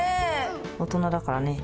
大人だからね。